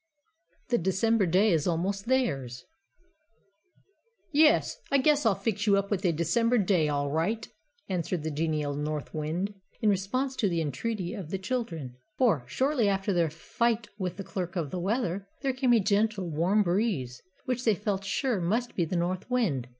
THE DECEMBER DAY IS ALMOST THEIRS "Yes! I guess I'll fix you up with a December day, all right," answered the genial North Wind, in response to the entreaty of the children. For, shortly after their fight with the Clerk of the Weather, there came a gentle, warm breeze, which they felt sure must be the North Wind.